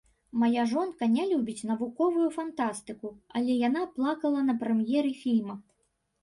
Мая жонка не любіць навуковую фантастыку, але яна плакала на прэм'еры фільма.